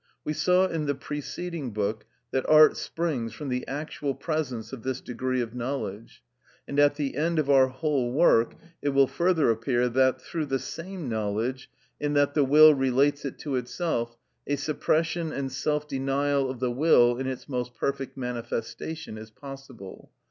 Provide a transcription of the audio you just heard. We saw in the preceding book that art springs from the actual presence of this degree of knowledge; and at the end of our whole work it will further appear that, through the same knowledge, in that the will relates it to itself, a suppression and self denial of the will in its most perfect manifestation is possible.